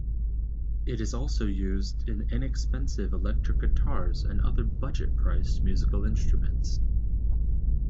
It is also used in inexpensive electric guitars and other budget priced musical instruments.